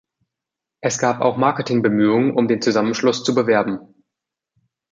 Es gab auch Marketingbemühungen, um den Zusammenschluss zu bewerben.